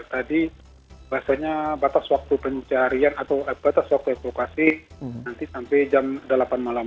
tadi bahasanya batas waktu pencarian atau batas waktu evakuasi nanti sampai jam delapan malam